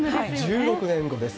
１６年後です。